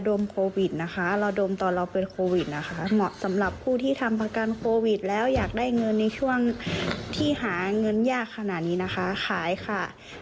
โอ้โหนี่ขายกันจงแจ้งกับนี้กันเลยทีเดียวนะฮะ